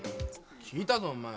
聞いたぞお前。